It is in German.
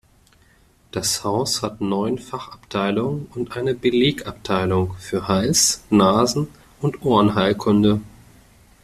Das Haus hat neun Fachabteilungen und eine Beleg-Abteilung für Hals-, Nasen- und Ohrenheilkunde.